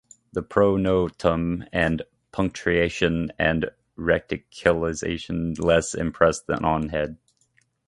Pronotum with punctation and reticulation less impressed than on head.